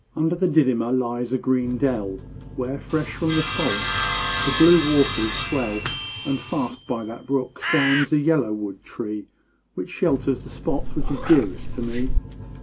_ Under the Didima lies a green dell, Where fresh from the forest the blue waters swell; And fast by that brook stands a yellow wood tree Which shelters the spot which is dearest to me.